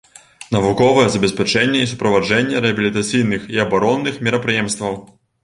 Навуковае забеспячэнне і суправаджэнне рэабілітацыйных і абаронных мерапрыемстваў.